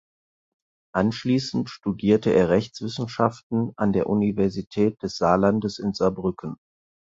Anschließend studierte er Rechtswissenschaften an der Universität des Saarlandes in Saarbrücken.